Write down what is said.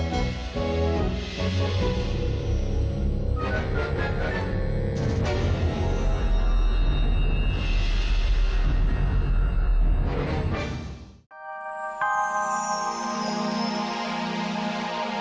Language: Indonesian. si bayang gak ada